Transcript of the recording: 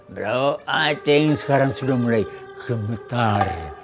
bro i think sekarang sudah mulai gemetar